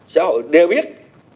sẽ họ đều biết